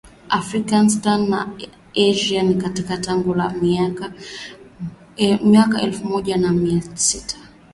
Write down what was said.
Afghanistan na Asia ya Kati Tangu mwaka elfu moja mia sita